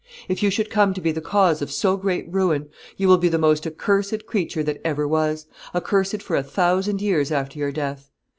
If you should come to be the cause of so great ruin, you will be the most accursed creature that ever was, accursed for a thousand years after your death.